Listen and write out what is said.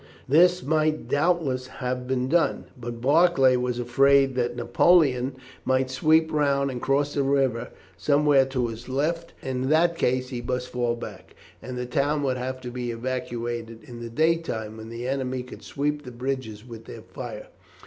This might doubtless have been done, but Barclay was afraid that Napoleon might sweep round and cross the river somewhere to his left, and that in that case he must fall back, and the town would have to be evacuated in the day time when the enemy could sweep the bridges with their fire.